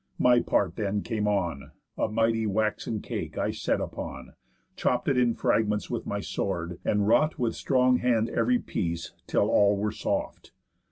My part then came on: A mighty waxen cake I set upon, Chopp'd it in fragments with my sword, and wrought With strong hand ev'ry piece, till all were soft.